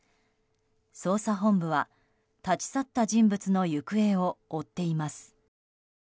捜査本部は、立ち去った人物の行方を追っています。